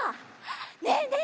ねえねえ